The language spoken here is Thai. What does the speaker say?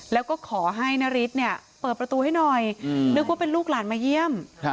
แล้วก็ขอให้นฤทธิ์เปิดประตูให้หน่อยนึกว่าเป็นลูกหลานมาเยี่ยม